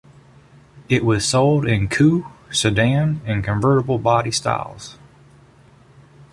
It was sold in coupe, sedan and convertible body styles.